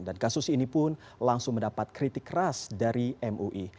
dan kasus ini pun langsung mendapat kritik keras dari mui